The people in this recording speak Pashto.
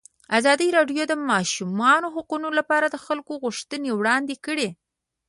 ازادي راډیو د د ماشومانو حقونه لپاره د خلکو غوښتنې وړاندې کړي.